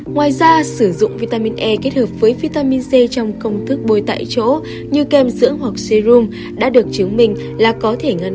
ngoài ra sử dụng vitamin e kết hợp với vitamin c trong công thức bôi tại chỗ như kem dưỡng hoặc seoum đã được chứng minh là có thể ngăn